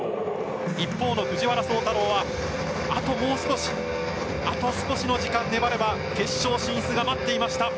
一方の藤原崇太郎はあともう少しあと少しの時間粘れば決勝進出が待っていました。